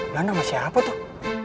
mana masih apa tuh